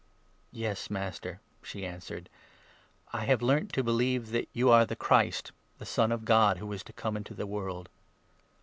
''• Ves Master," she answered ; "I have learnt to believe 27 that you are the Christ, the Son of God, 'who was to come' into the world."